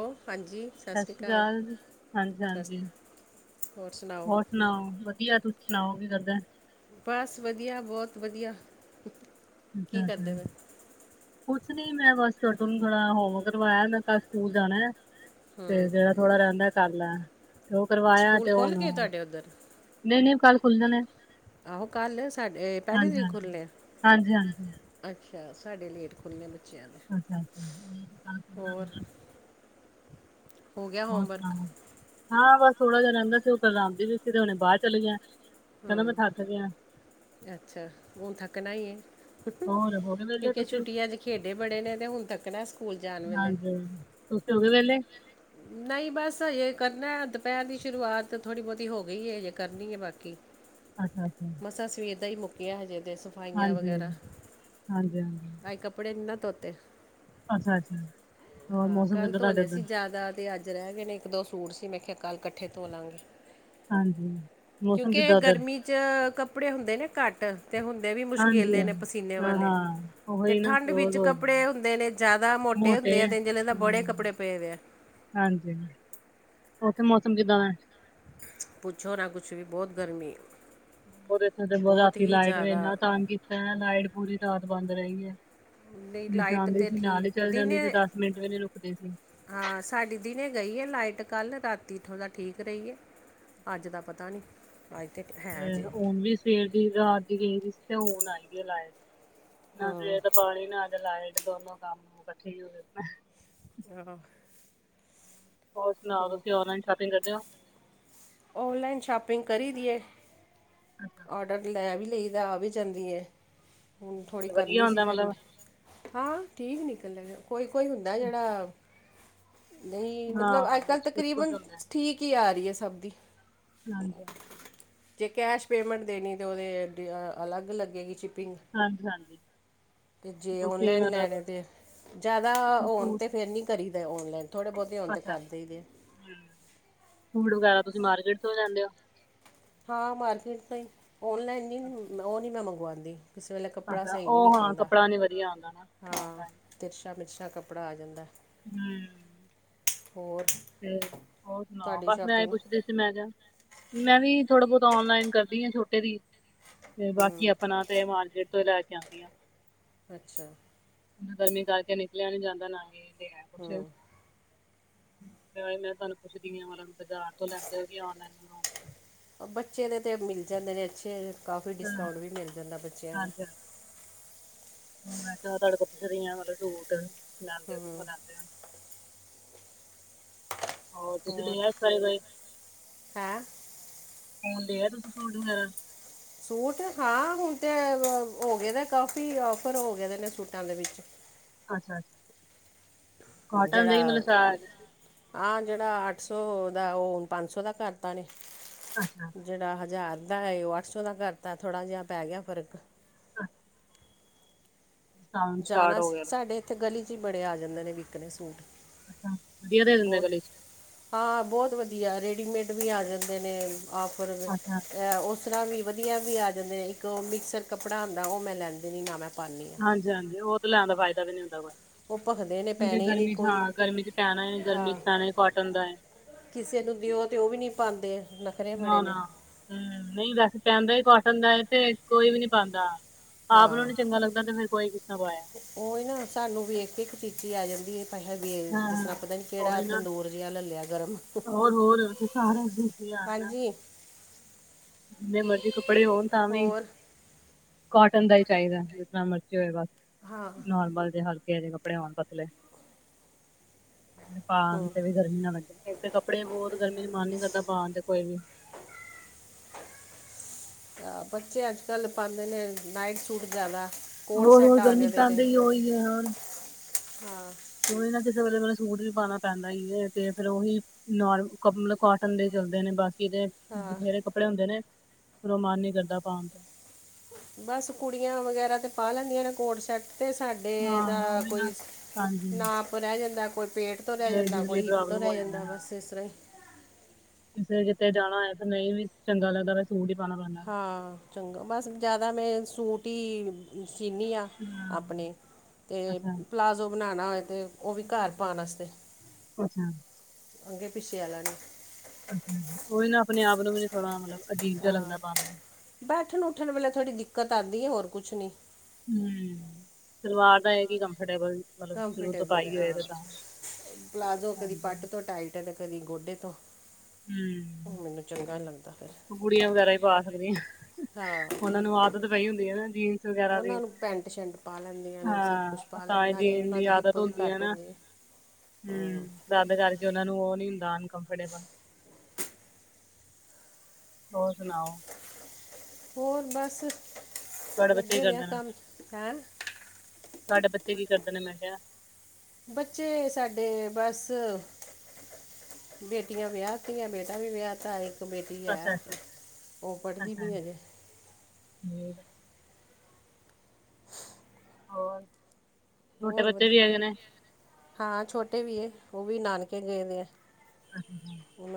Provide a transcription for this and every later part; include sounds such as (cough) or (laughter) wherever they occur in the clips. ਉਹ ਹਾਂਜੀ। ਸਤਿ ਸ਼੍ਰੀ ਅਕਾਲ ਹਾਂਜੀ, ਸਤਿ ਸ਼੍ਰੀ ਹਾਂਜੀ। ਅਕਾਲ। ਹੋਰ ਸੁਣਾਓ ਹੋਰ ਸੁਣਾਓ, ਵਧੀਆ ਤੁਸੀ ਸੁਣਾਓ ਕੀ ਕਰਦਾ। ਬਸ ਵਧੀਆ ਬੋਤ ਵਧੀਆ। ਕੀ ਕਰਦੇ ਪਏ (unintelligible) ਕੁਛ ਨੀ ਮੈਂ ਬਸ ਉਹਨੂੰ ਨੂੰ ਥੋੜ੍ਹਾ ਹੋਮਵਰਕ ਕਰਵਾਇਆ ਮੈਂ ਕੱਲ ਸਕੂਲ ਜਾਣਾ। ਤੇ ਹੂੰ ਜੇਹੜਾ ਥੋੜਾ ਰਹਿੰਦਾ ਐ ਕਰ ਲੈ। ਤੇ ਓ ਕਰਵਾਇਆ ਸਕੂਲ ਤੇ ਖੁੱਲ ਹੁਣ ਗਏ ਤੁਹਾਡੇ ਉੱਧਰ ਨਈ ਨਈ, ਕੱਲ੍ਹ ਖੁੱਲ ਜਾਣੇ। ਆਹੋ ਕੱਲ੍ਹ ਸਾਡੇ ਪਹਿਲੀ ਹਾਂਜੀ ਤਰੀਕ ਹਾਂਜੀ ਖੁੱਲ੍ਹਣੇ। ਹਾਂਜੀ ਹਾਂਜੀ। ਅੱਛਾ, ਸਾਡੇ ਲੇਟ ਖੁੱਲਣੇ ਨੇ ਅੱਛਾ ਅੱਛਾ। ਹੋਰ ਹੋ ਗਿਆ ਹੋਰ ਹੋਮਵਰਕ? ਸੁਣਾਓ ਹਾਂ ਬਸ ਥੋੜਾ ਜਾ ਰਹਿੰਦਾ ਸੀ ਓ ਕਰਵਾਂਦੀ ਵੀ ਸੀ, ਤੇ ਹੁਣੇ ਬਾਰ ਚਲੇ ਗਿਆ, ਕਹਿੰਦਾ ਮੈਂ ਹੂੰ ਥੱਕ ਗਿਆ। ਅੱਛਾ, ਹੁਣ ਥੱਕਣਾ ਈ ਏ। ਹੋਰ ਹੋ ਗਏ ਵਿਹਲੇ ਕਿਉਂਕਿ ਤੁਸੀਂ ਛੁੱਟੀਆਂ ਚ ਖੇਡੇ ਬੜੇ ਨੇ ਅਤੇ ਹੁਣ ਤੱਕ ਨਾ ਸਕੂਲ ਜਾਣ ਵੇਲੇ। ਤੁਸੀ ਹੋਗੇ ਵੇਲੇ। ਨਹੀਂ ਬਸ ਹਜੇ ਕਰਨਾ ਦੁਪਹਿਰ ਦੀ ਸ਼ੁਰੂਆਤ ਥੋੜ੍ਹੀ ਬਹੁਤੀ ਹੋ ਗਈ ਹੈ ਹਜੇ ਕਰਨੀ ਹੈ ਬਾਕੀ। ਅੱਛਾ-ਅੱਛਾ। ਮਸਾਂ ਸਵੇਰ ਦਾ ਹੀ ਮੁੱਕਿਆ ਹਜੇ ਤੇ, ਸਫਾਈਆਂ ਹਾਂਜੀ ਵਗੈਰਾ। ਹਾਂਜੀ ਹਾਂਜੀ ਮੈਂ ਕ ਕੱਪੜੇ ਨੀ ਨਾ ਧੋਤੇ, ਅੱਛਾ-ਅੱਛਾ, ਹੋਰ ਹਾਂ ਮੌਸਮ ਕੱਲ ਕਿੱਦਾਂ ਧੋ ਤੁਹਾਡੇ ਲੇ ਉੱਧਰ? ਸੀ ਜਾਦਾ। ਤੇ ਅੱਜ ਰਹਿ ਗਏ ਨੇ, ਇੱਕ ਦੋ ਸੂਟ ਸੀ ਮੈਂ ਕਿਹਾ ਕੱਲ ਕੱਠੇ ਧੋ ਲਾਂਗੀ। ਹਾਂਜੀ, ਮੌਸਮ ਕਿਉਂਕਿ ਐ ਕਿੱਦਾਂ ਉੱਧਰ? ਗਰਮੀ ਚ ਕੱਪੜੇ ਹੁੰਦੇ ਨੇ ਘੱਟ। ਤੇ ਹੁੰਦੇ ਵੀ ਹਾਂਜੀ, ਮੁਸ਼ਕਿਲੇ ਨੇ ਪਸੀਨੇ ਵਾਲੇ, ਹਾਂ-ਹਾਂ, ਤੇ ਉਹੀ ਨਾ ਠੰਡ ਰੋਜ਼ ਵਿੱਚ ਹੋ ਜਾਂਦਾ। ਕੱਪੜੇ ਹੁੰਦੇ ਨੇ ਜਾਦਾ ਮੋਟੇ ਹੁੰਦੇ ਆ, ਤੇ ਜੇ ਲਗਦਾ ਬੜੇ ਹੂੰ, ਕੱਪੜੇ ਪਏ ਦੇ ਆ। ਹਾਂਜੀ, ਉੱਥੇ ਮੌਸਮ ਕਿੱਦਾਂ ਦਾ? ਪੁੱਛੋ ਨਾ ਕੁਛ ਵੀ ਬਹੁਤ ਗਰਮੀ ਹੈ। ਹੋਰ ਇਥੇ ਤੇ ਬਹੁਤ ਰਾਤੀ ਲਾਈਟ ਨੇ ਇੰਨਾ ਜ਼ਿਆਦਾ ਤੰਗ ਕੀਤਾ ਹੈ ਲਾਈਟ ਪੂਰੀ ਰਾਤ ਬੰਦ ਰਹੀ ਹੈ। ਨਹੀਂ ਤੁਸੀਂ ਲਾਈਟ ਜਾਣਦੇ ਤੇ ਸੀ ਨਾਲ ਹੀ ਠੀਕ ਚਲੇ ਜਾਂਦੇ, ਜੇ ਦਿਨੇ ਦਸ ਮਿੰਟ ਵੀ ਨੀ ਰੁਕਦੇ ਸੀ। ਹਾਂ ਸਾਡੀ ਦਿਨੇ ਗਈ ਏ ਲਾਈਟ। ਕੱਲ ਰਾਤੀ ਥੋੜਾ ਠੀਕ ਰਹੀ ਏ। ਅੱਜ ਦਾ ਪਤਾ ਨ੍ਹੀ। (inaudible) ਤੇ ਹੁਣ ਵੀ ਸਵੇਰ ਦੀ ਰਾਤ ਦੀ ਗਈ ਦੀ ਸੀ, ਤੇ ਹੁਣ ਆਈ ਏ, ਲਾਈਟ ਨਾ ਹਾਂ ਸਵੇਰ ਦਾ ਪਾਣੀ ਨਾ ਅਜ ਲਾਈਟ, ਦੋਨੋ ਕੰਮ ਇਕੱਠੇ ਹੀ ਹੋਏ (unintelligible) ਹੋਰ ਸੁਣਾਓ ਹੋ ਤੁਸੀਂ ਔਨਲਾਈਨ ਸ਼ੋਪਿੰਗ ਕਰਦੇ ਹੋ? ਔਨਲਾਈਨ ਸ਼ਾਪਿੰਗ ਕਰੀ ਦੀ ਹੈ। (unintelligible) ਆਡਰ ਲੈ ਵੀ ਲਈਦਾ, ਆ ਵੀ ਜਾਂਦੀ ਹੈ, ਹੁਣ ਥੋੜ੍ਹੀ ਵਧੀਆ ਕਰਨੀ ਸੀ ਹੁੰਦਾ ਫਿਰ ਮਤਲਬ ਮੈਂ ਹਾਂ, ਠੀਕ ਨਿਕਲਦਾ ਨੇ, ਕੋਈ-ਕੋਈ ਹੁੰਦਾ ਜਿਹੜਾ ਨਹੀਂ ਮਤਲਬ ਅੱਜ ਹਾਂ ਕੱਲ੍ਹ ਵਿੱਚ ਕੁਛ ਕੁਛ ਤਕਰੀਬਨ ਹੁੰਦਾ ਠੀਕ ਹੀ ਆ ਰਹੀ ਹੈ ਸਭ ਦੀ। ਹਾਂਜੀ-ਹਾਂਜੀ। ਜੇ ਕੈਸ਼ ਪੇਮੈਂਟ ਦੇਣੀ, ਤਾਂ ਉਹਦੇ ਅਲੱਗ ਲੱਗੇਗੀ ਚਿਪਿੰਗ। ਹਾਂਜੀ -ਹਾਂਜੀ ਜੇ ਤੁਸੀਂ ਔਨਲਾਈਨ ਮਤਲਬ ਲੈਣੇ ਤੇ, ਜ਼ਿਆਦਾ ਕੋਈ ਹੋਣ ਸੂਟ ਤੇ ਫੇਰ ਨਹੀਂ ਕਰੀਦੇ ਔਨਲਾਈਨ ਥੋੜੇ ਬਹੁਤੇ ਹੋਣ, ਤੇ ਕਰ ਦੇਈ ਦੇ ਐ ਹੂ, ਸੂਟ ਵਗੈਰਾ ਤੁਸੀਂ ਮਾਰਕੀਟ ਤੋਂ ਲੈਦੇ ਹੋ। ਹਾਂ ਮਾਰਕੀਟ ਤੋਂ ਹੀ, ਔਨਲਾਈਨ ਅੱਛਾ ਨਹੀਂ ਉਹ ਨਹੀਂ ਮੈਂ ਮੰਗਵਾਉਂਦੀ। ਕਿਸੇ ਵੇਲੇ ਕੱਪੜਾ ਅੱਛਾ, ਸਹੀ ਨਹੀਂ ਉਹ ਹਾਂ ਨਿਕਲਦਾ ਕੱਪੜਾ ਨੀ ਵਧੀਆ ਆਉਂਦਾ ਨਾ ਔਨਲਾਈਨ ਤਿਰਸ਼ਾ-ਮਿਰਸ਼ਾ ਕੱਪੜਾ ਆ ਜਾਂਦਾ। ਹੂੰ (unintelligible) ਹੋਰ। ਤੇ ਹੋਰ ਸੁਣਾਓ, ਤੁਹਾਡੀ ਬਸ ਮੈਂ ਇਹ ਸ਼ਾਪਿੰਗ ਪੁੱਛਦੀ ਸੀ ਤੇ ਮੈਂ, ਮੈਂ ਵੀ ਥੋੜਾ ਬਹੁਤ ਆਨਲਾਈਨ ਕਰਦੀ ਆ ਛੋਟੇ ਦੀ। ਤੇ ਬਾਕੀ ਹੂੰ ਆਪਣਾ ਤੇ, ਮਾਰਕਟ ਤੋਂ ਲੈ ਕੇ ਆਉਂਦੀ ਆ। ਅੱਛਾ ਗਰਮੀ ਕਰਕੇ ਨਿਕਲਿਆ ਨੀ ਜਾਂਦਾ ਨਾ ਇਹ ਲਿਆ ਕੁੱਛ। ਹੂੰ ਮੈਂ ਤੁਹਾਨੂੰ ਪੁੱਛਦੀ ਹਾਂ, ਮਤਲਬ ਬਾਜ਼ਾਰ ਤੋਂ ਲੈਂਦੇ ਹੋ ਨ ਬੱਚੇ ਦੇ ਤੇ ਮਿਲ ਜਾਂਦੇ ਨੇ ਅੱਛੇ, ਕਾਫੀ ਹਾਂ ਡਿਸਕਾਊਂਟ ਵੀ ਮਿਲ ਜਾਂਦਾ ਬੱਚਿਆਂ ਦਾ। ਹਾਂਜੀ ਹਾਂਜੀ ਮੈਂ ਚ ਤੁਹਾਡੇ ਕੋਲ ਪੁੱਛਦੀ ਹ ਮਤਲਬ ਸੂਟ, ਲੈਂਦੇ ਹੂੰ ਕਿੱਥੋਂ ਲੈਂਦੇ ਆ ਹੋਰ ਤੁਸੀਂ ਲੇਆ ਸਾਈ ਬਾਏ, ਹੈ ਹੁਣ ਲੇਯਾ ਤੁਸੀਂ ਸੂਟ ਵਗੈਰਾ। ਸੂਟ, ਹਾਂ ਹੁਣ ਤਾਂ ਹੋ ਗਏ ਦਾ ਕਾਫੀ ਔਫਰ ਹੋ ਗਏ ਦੇ ਨੇ ਸੂਟਾਂ ਦੇ ਵਿੱਚ ਅੱਛਾ-ਅੱਛਾ, ਕੋਟਨ ਦਾ ਹੀ ਮਤਲਬ ਸਾ। ਆਹ ਜਿਹੜਾ ਅੱਠ ਸੌ ਦਾ, ਉਹ ਪੰਜ ਸੌ ਦਾ ਕਰਤਾ ਨੇ। ਅੱਛਾ। ਜਿਹੜਾ ਹਜ਼ਾਰ ਦਾ ਹੈ ਉਹ ਅੱਠ ਸੌ ਦਾ ਕਰਤਾ, ਥੋੜ੍ਹਾ ਜਿਹਾ ਪੈ ਗਿਆ ਫ਼ਰਕ ਹਾਂਜੀ ਜਾਣਾ ਹੋ ਸੀ ਗਿਆ ਲੱਗਦਾ। ਸਾਡੇ ਇੱਥੇ ਗਲੀ 'ਚ ਬੜੇ ਆ ਜਾਂਦੇ ਨੇ ਵਿਕਣੇ ਸੂਟ, ਅੱਛਾ ਵਧੀਆ ਦੇ ਦਿੰਦੇ ਬਹੁਤ ਗਲੇ 'ਚ ਹਾਂ। ਬਹੁਤ ਵਧੀਆ ਰੈਡੀਮੇਡ ਵੀ ਆ ਜਾਂਦੇ ਨੇ ਆਫਰ ਅੱਛਾ ਉਸ। ਤਰ੍ਹਾਂ ਵੀ ਵਧੀਆ ਵੀ ਆ ਜਾਂਦੇ ਨੇ, ਇੱਕ ਉਹ ਮਿਕਸਰ ਕੱਪੜਾ ਹੁੰਦਾ ਉਹ ਮੈਂ ਲੈਂਦੀ ਨੀ ਨਾ ਮੈਂ ਪਾਉਂਦੀ ਆ ਹਾਂਜੀ ਹਾਂਜੀ, ਉਹ ਤੇ ਲੈਣ ਦਾ ਫਾਇਦਾ ਵੀ ਨੀ ਹੁੰਦਾ ਕੋ ਉਹ ਭਖਦੇ ਨੇ ਪੈਣੇ ਹੀ ਨਹੀਂ ਗਰਮੀ ਚ ਕੋਈ ਹਾਂ ਗਰਮੀ ਚ ਪੈਣਾ, ਗਰਮੀ ਅਹ, ਚ' ਪੈਣਾ ਹੈ ਕੋਟਨ ਦਾ ਹੈ। ਕਿਸੇ ਨੂੰ ਦਿਓ ਤੇ ਉਹ ਵੀ ਨੀ ਪਾਉਂਦੇ। ਨਖਰੇ ਨਾ ਬੜੇ ਨਾ, ਨੇ ਨਹੀਂ ਵੈਸੇ ਪੈਂਦਾ ਹੀ ਕੋਟਨ ਦਾ ਤੇ ਕੋਈ ਵੀ ਨੀ ਪਾਦਾਂ ਆਪ ਨੂੰ ਨੇ ਚੰਗਾ ਲੱਗਦਾ ਤੇ, ਫਿਰ ਕੋਈ ਕਿੱਦਾ ਪਾਇਆ ਉਹਹੀ ਨਾ ਸਾਨੂੰ ਵੇਖ ਕੇ ਇੱਕ ਚੀਚੀ ਆ ਜਾਂਦੀ ਹੈ। ਹਾਂ (unintelligible) ਜਿਸ ਤਰ੍ਹਾਂ ਹਾਂ, ਪਤਾ ਨੀ ਕਿਹੜਾ ਉਹੀ ਨਾ ਤੰਦੂਰ ਜਿਹਾ ਲੈ ਲਿਆ ਗਰਮ। ਹੋਰ-ਹੋਰ ਸਾਰਾ ਸੀ ਯਾਰ ਨਾ ਹਾਂਜੀ ਜਿੰਨੇ ਮਰਜੀ ਕੱਪੜੇ ਹੋਣ ਤਾਂ ਵੀ ਹੋਰ ਕੋਟਨ ਦਾ ਹੀ ਚਾਹੀਦਾ, ਜਿਤਨਾ ਮਰਜ਼ੀ ਹੋਵੇ ਬਸ। ਹਾਂ ਨੋਰਮਲ ਦੇ ਹਲਕੇ ਜੇ ਕੱਪੜੇ ਹੋਣ ਪਤਲੇ ਪਾਉਣ ਹੂੰ ਤੇ ਵੀ ਗਰਮੀ ਨਾ ਲੱਗੇ, ਤੇ ਕੱਪੜੇ ਬਹੁਤ ਗਰਮੀ ਚ ਮਨ ਨੀ ਕਰਦਾ ਪਾਉਣ ਤੇ ਕੋਈ ਵੀ। ਆਹ, ਬੱਚੇ ਅੱਜ ਕੱਲ੍ਹ ਪਾਉਂਦੇ ਨੇ ਨਾਈਟ ਸੂਟ ਜਿਆਦਾ। ਹੋਰ - ਹੋਰ ਗਰਮੀ ਚ ਪੈਂਦਾ ਹੀ ਉਹੀ ਹੈ ਹੋਰ ਹਾਂ ਤੇ ਉਹੀ ਨਾ, ਕਿਸੇ ਵੇਲੇ ਮੈਨੂੰ ਸੂਟ ਵੀ ਪਾਉਣਾ ਪੈਂਦਾ ਹੀ ਹੈ ਤੇ ਫੇਰ ਉਹੀ ਨੋਰਮਲ, ਮਤਲਬ ਕੋਟਨ ਦੇ ਚਲਦੇ ਨੇ, ਬਾਕੀ ਦੇ ਹਾਂ ਬਥੇਰੇ ਕੱਪੜੇ ਹੁੰਦੇ ਨੇੰ, ਮਨ ਨ ਕਰਦਾ ਪਾਉਣ ਤੇ। ਬਸ ਕੁੜੀਆਂ ਵਗੈਰਾ ਤੇ ਪਾ ਲੈਂਦੀਆਂ ਨੇ ਕੋਡ ਸੈਟ ਅਤੇ ਸਾਡੇ ਦਾ ਹਾਂ ਉਹੀ ਨਾ ਕੋਈ ਹਾਂਜੀ ਨਾਪ ਰਹਿ ਜਾਂਦਾ, ਕੋਈ ਪੇਟ ਤੋਂ ਰਹਿ ਜਾਂਦਾ, ਲੇਡੀਜ਼ ਲਈ ਕੋਈ ਹਿੱਪ ਤੋਂ ਪ੍ਰੋਬਲਮ ਰਹਿ ਹੋ ਜਾਂਦਾ ਬਸ ਇਸ ਤਰ੍ਹਾਂ ਹੀ ਤੇ ਕਿਤੇ ਜਾਣਾ ਤੇ ਨਹੀਂ ਵੀ ਚੰਗਾ ਲੱਗਦਾ, ਫੇਰ ਸੂਟ ਹੀ ਪਾਉਣਾ ਪੈਂਦਾ ਹਾਂ ਚੰਗਾ, ਬਸ ਜ਼ਿਆਦਾ ਮੈਂ ਸੂਟ ਹੀ ਸੀਂਦੀ ਹਾਂ। ਆਪਣੇ, ਤੇ ਅੱਛਾ ਪਲਾਜ਼ੋ ਬਣਾਉਣਾ ਹੋਏ ਤੇ ਉਹ ਵੀ ਘਰ ਪਾਉਣ ਵਾਸਤੇ। ਅੱਛਾ। ਅੱਗੇ ਪਿੱਛੇ ਵਾਲਾ ਨੇ ਅੱਛਾ, ਉਹੀ ਨਾ ਆਪਣੇ ਆਪ ਨੂੰ ਵੀ ਥੋੜਾ ਮਤਲਬ ਅਜੀਬ ਜਿਹਾ ਹਾਂ ਲਗਦਾ ਪਾਕੇ। ਬੈਠਣ ਉੱਠਣ ਵੇਲੇ ਥੋੜ੍ਹੀ ਦਿੱਕਤ ਆਉਂਦੀ ਹੈ, ਹੋਰ ਕੁਛ ਨੀ। ਹਮ। ਸਲਵਾਰ ਦਾ ਹੈਗੀ ਕੰਫਰਟੇਬਲ। ਮਤਲਬ ਸ਼ੁਰੂ ਤੋਂ ਕੰਫਰਟੇਬਲ ਹੈ ਪਾਈ ਹੋਏ ਹਾਂ। ਤੇ ਤਾਂ ਪਲਾਜ਼ੋ ਕਦੀ ਹਾਂਜੀ ਪੱਟ ਤੋਂ ਟਾਈਟ ਹੈ ਤੇ ਕਦੀ ਗੋਡੇ ਤੋਂ। ਹਮ ਮੈਨੂੰ ਚੰਗਾ ਨੀ ਲੱਗਦਾ ਫਿਰ ਕੁੜੀਆਂ ਵਗੈਰਾ ਹੀ ਪਾ ਸਕਦੀਆਂ, ਹਾਂ ਉਹਨਾਂ ਨੂੰ ਆਦਤ ਪਈ ਹੁੰਦੀ ਹੈ ਨਾ ਜੀਨ ਵਗੈਰਾ ਦੀ ਉਹਨਾਂ ਨੂੰ ਪੈਂਟ ਸ਼ਰਟ ਪਾ ਲੈਂਦੀਆਂ ਨੇ ਸਭ ਕੁਛ ਹਾਂ। ਪਾ ਤਾਂ ਲੈਂਦੀਆਂ ਹੀ ਨਾਲੇ ਜੀਣ ਉਹਨਾਂ ਦੀ ਹਿੱਪ ਆਦਤ ਵੀ ਹੁੰਦੀ ਹੈ ਘੱਟ ਨਾ। ਤਦ ਕਰਕੇ ਉਹਨਾਂ ਨੂੰ, ਉਹ ਨਹੀਂ ਹੁੰਦਾ ਅਨਕਮਫਟੇਬਲ। ਹੋਰ ਸੁਣਾਓ? ਹੋਰ ਬਸ, ਤੁਹਾਡੇ ਬੱਚੇ ਕੀ ਲੱਗੇ ਪਏ ਕਰਦੇ ਨੇ ਕੰਮ, ਹੈਂ। ਤੁਹਾਡੇ ਬੱਚੇ ਕੀ ਕਰਦੇ ਨੇ ਮੈਂ ਕਿਹਾ। ਬੱਚੇ ਸਾਡੇ ਬਸ ਬੇਟੀਆਂ ਵਿਆਹ ਤਿਆਂ, ਬੇਟਾ ਵੀ ਵਿਆਹ ਤਾ ਏ। ਇਕ ਬੇਟੀ ਅੱਛਾ ਹੈ, ਅੱਛਾ ਉਹ ਪੜ੍ਹਦੀ ਪਈ ਹੈ ਹਜੇ। ਫੇਰ। ਹੋਰ ਹੋਰ ਵਧੀਆ, ਹਾਂ ਛੋਟੇ ਵੀ ਉਹ ਵੀ ਨਾਨਕੇ ਗਏ ਦੇ ਨੇ, ਹੁਣ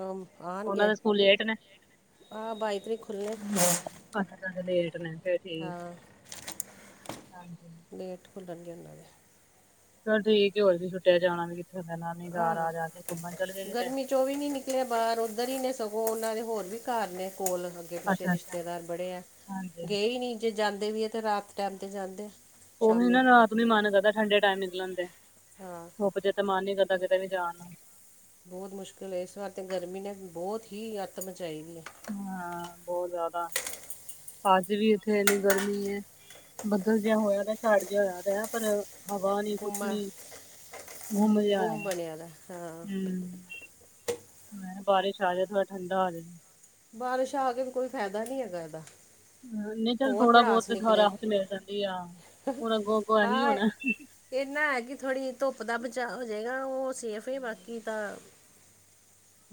ਉਹਨਾਂ ਆਉਣਗੇ, ਦੇ ਸਕੂਲ ਲੇਟ ਨੇ ਆਹ ਬਾਈ ਤਰੀਕ ਖੁੱਲੇ ਲੇਟ ਨੇ ਫੇਰ ਠੀਕ ਆ ਹ ਖੂਲਣ ਨਹੀਂ ਹਨਾਂ ਦੇ ਚੱਲ ਠੀਕ ਹੋਰ ਵੀ ਛੁਟੀਆ ਜਾਣਾ ਵੀ ਕਿੱਥੇ ਹੁੰਦਾ, ਨਾਨੀ ਘਰ ਆ ਜਾ ਕੇ, ਘੁੰਮਣ ਚੱਲ ਗਏ ਵਿੱਚੋਂ ਵੀ ਨੀ ਨਿਕਲਿਆ ਬਾਹਰ, ਉੱਧਰ ਹੀ ਨੇ ਸਗੋਂ ਉਹਨਾਂ ਦੇ ਹੋਰ ਵੀ, ਘਰ ਨੇ ਕੋਲ ਅੱਗੇ -ਪਿੱਛੇ ਅੱਛਾ ਅੱਛਾ ਰਿਸ਼ਤੇਦਾਰ ਬੜੇ ਹੈ, ਹਾਂਜੀ ਗਏ ਹੀ ਨੀ ਜੇ ਜਾਂਦੇ ਵੀ ਹੈ ਤੇ ਰਾਤ ਟਇਮ, ਤੇ ਜਾਂਦੇ ਆ। ਉਹੀ ਸ਼ਾਮੀ ਨਾ, ਰਾਤ ਨੂੰ ਮਨ ਕਰਦਾ ਠੰਡੇ ਟਾਈਮ ਨਿਕਲਣ ਦੇ ਹਾਂ ਅਜੇ ਤਾਂ ਮਨ ਨੀ ਕਰਦਾ ਕਿਤੇ ਵੀ ਜਾਣ ਨੂੰ। ਬਹੁਤ ਮੁਸ਼ਕਿਲ ਹੈ, ਇਸ ਵਾਰ ਤੇ ਗਰਮੀ ਨੇ ਬਹੁਤ, ਹੀ ਅੱਤ ਮਚਾਈ ਦੀ ਹੈ। ਹਾਂ ਬਹੁਤ ਜ਼ਿਆਦਾ। ਅੱਜ ਵੀ, ਇੱਥੇ ਇਨੀ ਗਰਮੀ ਹੈ, ਬੱਦਲ ਜਿਹਾ ਹੋਇਆ ਦਾ ਚੜ੍ਹ ਜਿਹਾ, ਹੋਇਆ ਦਾ ਪਰ ਹਵਾ ਨੀ, ਕੁਛ ਗੁੰਮਾ ਨੀ ਘੁੰਮ ਗੁੰਮ ਹਮ। ਬਣਿਆ ਦਾ ਹਾਂ ਬਾਰਿਸ਼ ਆ ਜਾਏ, ਥੋੜਾ ਠੰਡਾ ਆ ਜਾਏ। ਬਾਰਿਸ਼ ਆ ਕੇ ਵੀ, ਕੋਈ ਫਾਇਦਾ ਨਹੀਂ ਹੈਗਾ ਇਹਦਾ। ਨਹੀਂ ਚੱਲ ਹੋਰ ਥੋੜਾ ਪੜਾਸ -ਬਹੁਤ ਨਿਕਲੇਗੀ ਰਾਹਤ ਮਿਲ ਜਾਂਦੀ ਆ, ਹੁਣ ਅੱਗੋਂ -ਅੱਗੋਂ ਇਹੀ ਹੋਣਾ ਇਹੰਨਾ ਹੈ ਕਿ ਥੋੜ੍ਹੀ ਧੁੱਪ ਦਾ ਬਚਾਅ ਹੋ ਜਾਏਗਾ ਉਹ ਸੇਫ ਹੀ ਬਾਕੀ ਤਾਂ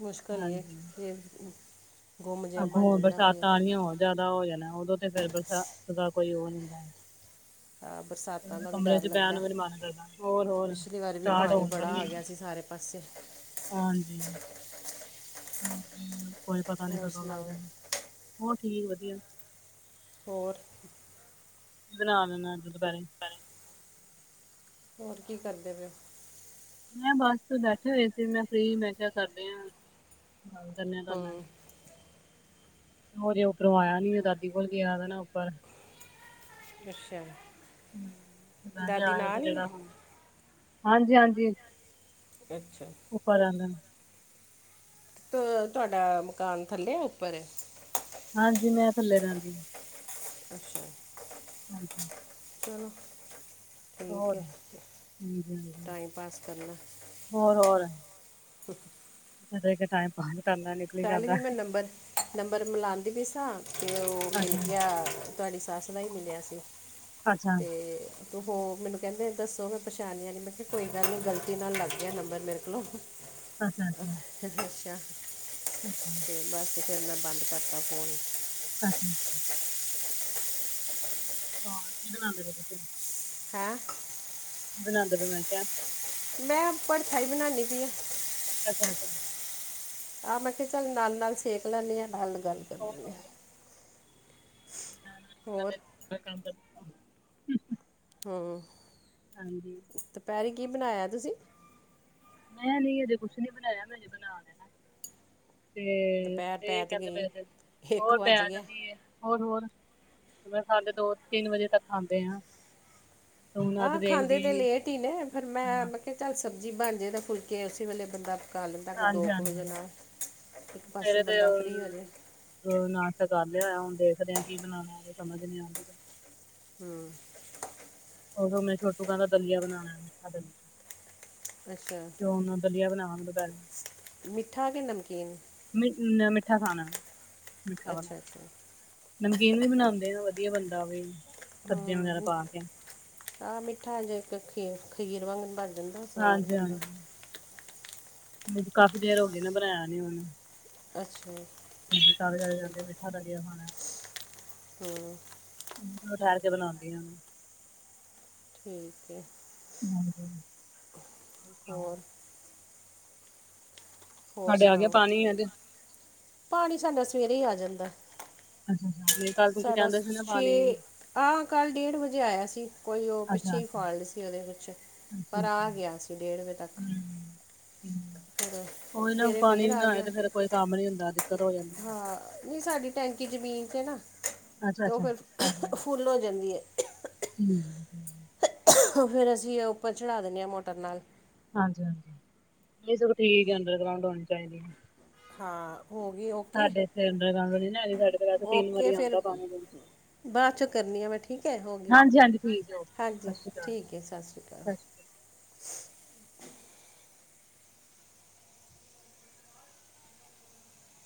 ਮੁਸ਼ਕਿਲ ਹੀ ਹੈ ਹਾਂਜੀ ਕਿ। (unintelligible) (unintelligible) (unintelligible) (unintelligible) (unintelligible) (unintelligible) (unintelligible) ਅੱਗੋਂ ਬਰਸਾਤਾਂ ਆਣੀਆਂ ਹੋਰ ਜਿਆਦਾ ਹੋ ਜਾਣਾ, ਉਦੋਂ ਤੇ ਫਿਰ ਬਰਸਾਤ ਦਾ ਕੋਈ ਉਹ ਨੀ ਹੁੰਦਾ ਹਾਂ ਬਰਸਾਤਾਂ ਦਾ ਵੀ ਡਰ ਚ ਬਹਿਣ ਲੱਗਦਾ, ਨੂੰ ਵੀ ਨੀ ਮਨ ਕਰਦਾ ਹੋਰ ਹੋਰ ਪਿਛਲੀ ਵਾਰੀ ਵੀ ਸਟਾਰਟ ਪਾਣੀ ਹੋਣ ਬੜਾ ਆ ਵਾਲੀ ਗਿਆ ਸੀ ਸਾਰੇ (inaudible) (inaudible) ਹਾਂਜੀ, ਕੋਈ ਪਤਾ ਨੀ ਹੋਰ ਕਦੋਂ ਲੱਗ ਸੁਣਾਓ ਜਾਨਾ ਹੋਰ ਠੀਕ ਵਧੀਆ ਹੋਰ? ਬਨਾ ਦੇਣਾ, ਅਜ ਦੁਪਹਿਰੇ ਪਰ ਹੋਰ ਕੀ ਕਰਦੇ ਪਏ? ਮੈਂ, ਬਸ ਤੇ ਬੈਠੀ ਹੋਏ ਸੀ, ਮੈਂ ਫਰੀ ਮੈਂ ਕਿਹਾ ਕਰਦੇ ਆ ਹੂੰ ਉਹ, ਹਜੇ ਉੱਪਰੋਂ ਆਇਆ ਨੀ, ਓਹ ਦਾਦੀ ਕੋਲ ਗਿਆ ਨਾ ਉੱਪਰ। ਅੱਛਾ ਹਮ ਤੇ ਮੈਂ ਵੀ ਦਾਦੀ ਆਇਆ ਤੇ ਨਾਲ ਹੀ ਜਿਹੜਾ ਹੈ ਹੁਣ, ਹਾਂਜੀ, ਹਾਂਜੀ। ਅੱਛਾ। ਉਪਰ ਆਂਦੇ ਤੇ ਤੁਹਾਡਾ, ਮਕਾਨ ਥੱਲੇ, ਏ ਉੱਪਰ ਏ ਹਾਂਜੀ, ਮੈਂ ਥੱਲੇ ਰਹਿੰਦੀ ਹਾਂ। ਅੱਛਾ (inaudible) ਹਮ। (inaudible) ਚਲੋ ਠੀਕ ਹੋਰ ਹੈ, ਹਾਂਜੀ-ਹਾਂਜੀ ਟਾਈਮ ਪਾਸ ਕਰਨਾ ਹ ਖੜੇ ਹੋ ਕੇ, ਟਾਈਮ ਪਾਸ ਕਰਨ ਲੈ ਕੱਲ੍ਹ ਵੀ ਮੈਂ ਨੰਬਰ, ਨੰਬਰ ਮਿਲਉਂਦੀ ਪਈ ਸਾਂ, ਤੇ ਉਹ ਮਿਲ ਗਿਆ ਤੁਹਾਡੀ ਸੱਸ ਦਾ ਹੀ ਮਿਲਿਆ ਸੀ। ਅੱਛਾ-ਅੱਛਾ, ਤੇ ਉ ਹੋ ਮੈਨੂੰ ਕਹਿੰਦੇ ਦਸੋ, ਮੈਂ ਪਛਾਣਆ ਨਹੀਂ, ਮੈਂ ਕਿਹਾ ਕੋਈ ਗੱਲ ਨਹੀਂ, ਗਲਤੀ ਨਾਲ ਲੱਗ ਗਿਆ ਨੰਬਰ ਮੇਰੇ ਕੋਲੋਂ (inaudible) ਅੱਛਾ ਤੇ ਬਸ ਫਿਰ ਮੈਂ, ਬੰਦ ਕਰਤਾ ਫੋਨ (unintelligible) (inaudible) ਹਾਂ, ਕਿ ਬਣਾਦੇ ਪਏ ਤੁਸੀ? ਹੈਂ। ਬਣਾਂਦੇ ਮੈਂ ਕਿਹਾ। ਮੈਂ ਭਰਥਾ ਹੀ ਬਣਾਨੀ ਪਈ ਆ। ਅੱਛਾ ਰੁਕੋ ਆਹ ਮੈਂ ਕਿਹਾ ਚੱਲ ਨਾਲ-ਨਾਲ ਸੇਕ ਲੈਂਣੀ ਹਾਂ ਨਾਲ-ਨਾਲ ਗੱਲ ਹੋਰ ਕਰਨੀ ਆਂ। ਹੋਰ ਹੋਰ (unintelligible) ਹੂੰ ਹਾਂਜੀ ਦੁਪਹਿਰੀ ਕੀ ਬਣਾਇਆ ਤੁਸੀਂ ਮੈਂ ਨਹੀਂ ਹਜੇ ਕੁਛ ਨੀ ਬਣਾਇਆ ਮੈਂ ਅਜੇ ਬਣਾ ਲੈਣਾ ਤੇ ਦੁਪਹਿਰ ਇਹ ਪੈ ਤੇ ਕਹਿੰਦੇ ਪਏ ਗਈ ਨੇ ਇੱਕ ਹੋਰ ਪੈ ਵੱਜ ਗਿਆ ਚਲੀਏ ਹੋਰ-ਹੋਰ ਮੈਂ ਸਾਡੇ ਦੋ ਤਿੰਨ ਵਜੇ ਤੱਕ ਖਾਂਦੇ ਆ। ਹਾਂ ਖਾਂਦੇ ਤੇ ਲੇਟ ਹੀ ਨੇ ਫਿਰ ਮੈਂ ਹਾਂ ਚੱਲ ਸਬਜ਼ੀ ਬਣ ਜਾਏ ਤਾਂ ਫੁਲਕੇ ਉਸੇ ਵੇਲੇ ਬੰਦਾ ਪਕਾ ਲੈਂਦਾ ਕੋਈ ਦੋ ਕੁ ਹਾਂਜੀ-ਹਾਂਜੀ ਵਜੇ ਨਾਲ ਇੱਕ ਸਵੇਰੇ ਪਾਸਿਓ ਤੇ ਬੰਦਾ ਫ੍ਰੀ ਹੋ ਜੇ ਨਾਸ਼ਤਾ ਕਰ ਲਿਆ ਹੋਇਆ ਹੁਣ ਦੇਖਦੇ ਆ ਕੀ ਬਨਾਉਣਾ ਸਮਝ ਨਈ ਆਂਦੀ ਪਈ। ਹੂੰ ਉਦੋ ਮੇ ਛੋਟੂ ਕਹਿੰਦਾ ਦਲੀਆ ਬਣਾਉਣਾ ਮਿੱਠਾ ਦਲੀ ਅੱਛਾ ਤੇ ਹੁਣ ਦਲੀਆ ਬਣਾਵਾਂਗੇ। ਦੁਪਹਿਰੇ ਮਿੱਠਾ ਕੇ ਨਮਕੀਨ ਮ ਮਿੱਠਾ ਖਾਣਾ ਮਿੱਠਾ ਵਾਲਾ ਅੱਛਾ-ਅੱਛਾ ਨਮਕੀਨ ਵੀ ਬਣਾਂਦੇ ਆਂ ਵਧੀਆ ਬਣਦਾ ਓ ਵੀ ਸਬਜ਼ੀਆਂ ਵਗੈਰਾ ਪਾ ਕੇ ਆਹ ਮਿੱਠਾ ਇਂਜ ਇੱਕ ਖੀ ਖੀਰ ਵਾਂਗ ਬਨ ਜਾਂਦਾ ਸਵਾਦ ਬਣਦਾ। ਹਾਂਜੀ-ਹਾਂਜੀ ਕਾਫ਼ੀ ਦੇਰ ਹੋ ਗਈ ਨਾ ਬਣਾਇਆ ਨੀ ਉਹਨੂੰ ਅੱਛਾ ਜੀ। (unintelligible) ਮਿੱਠਾ ਦਲੀਆ ਖਾਣਾ ਹੂੰ ਮੈਂ ਕਿਹਾ ਠੈਰ ਕੇ ਬਣਾਂਦੀ ਆਂ। ਠੀਕ ਏ। ਹਾਂਜੀ ਹੋਰ ਹੋਰ ਤੁਹਾਡੇ ਆ ਗਿਆ ਸੁਣਾਓ ਪਾਣੀ ਅੱਜ ਪਾਣੀ ਸਾਡਾ ਸਵੇਰੇ ਆ ਜਾਂਦਾ। ਅੱਛਾ-ਅੱਛਾ ਨਹੀਂ ਕਲ ਤੁਸੀਂ ਕਹਿਣਦੇ ਸੀ ਨਾ ਪਾਣੀ ਆਹੋ ਕੱਲ ਡੇਢ ਵਜੇ ਆਇਆ ਸੀ। ਕੋਈ ਉਹ ਪਿੱਛੇ ਹੀ ਅੱਛਾ-ਅੱਛਾ ਫਾਲਟ ਸੀ ਉਹਦੇ ਵਿੱਚ ਪਰ ਅੱਛਾ-ਅੱਛਾ ਆ ਗਿਆ ਸੀ ਡੇਢ ਵਜੇ ਤੱਕ ਹੂੰ (inaudible) ਸਵੇਰੇ ਫਿਰ ਆ ਗਿਆ ਕੋਈ ਕੰਮ ਨੀ ਹੁੰਦਾ ਦਿੱਕਤ ਹੋ ਜਾਂਦੀ ਹੈ ਹਾਂ ਨਹੀਂ ਸਾਡੀ ਟੈਂਕੀ ਜ਼ਮੀਨ ਤੇ ਨਾ ਅੱਛਾ ਤੇ ਉਹ ਅੱਛਾ ਫਿਰ ਫੁੱਲ ਹੋ ਜਾਂਦੀ ਹੈ। ਹੂੰ ਹੁਣ ਫਿਰ ਅਸੀਂ ਉੱਪਰ ਚੜ੍ਹਾ ਦਿੰਨੇ ਹਾਂ ਮੋਟਰ ਨਾਲ ਹਾਂਜੀ-ਹਾਂਜੀ ਨਹੀਂ ਸਗੋ ਠੀਕ ਹੈ ਅੰਡਰਗਰਾਊਂਡ ਹੋਣੀ ਚਾਹੀਦੀ ਹੈ। ਹਾਂ ਹੋ ਗਈ ਉਹ ਸਾਡੇ ਇਥੇੰ ਅੰਡਰਗਰਾਉਂਡ ਵਾਲੀ ਨਹੀ ਹੈਗੀ ਸਾਡੇ ਇਥੇ ਤਿੰਨ ਓਕੇ ਵਾਰੀ ਫਿਰ ਆਂਦਾ ਪਾਣੀ ਦਿਨ 'ਚ ਬਾਅਦ ਚੋਂ ਕਰਨੀ ਆ ਮੈਂ ਠੀਕ ਹੈ ਹੋ ਗਈ। ਹਾਂਜੀ ਹਾਂਜੀ ਠੀਕ ਹੈ ਓਕੇ ਸਤਿ ਹਾਂਜੀ ਸ਼੍ਰੀ ਅਕਾਲ ਠੀਕ ਹੈ ਸਤਿ ਸ਼੍ਰੀ ਅਕਾਲ।